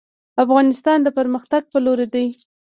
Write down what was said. افغانستان د پرمختګ په لور دی